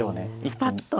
スパッと。